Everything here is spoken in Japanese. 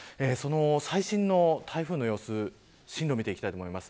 最新の台風の様子進路を見ていきます。